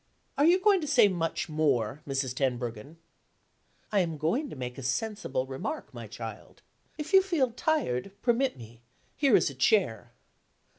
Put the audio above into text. "Are you going to say much more, Mrs. Tenbruggen?" "I am going to make a sensible remark, my child. If you feel tired, permit me here is a chair.